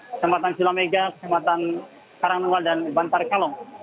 ketamatan silamega ketamatan karangnua dan bantar kalong